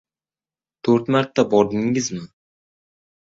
To‘rt marta bordingizmi?